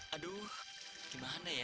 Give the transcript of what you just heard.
aduh gimana ya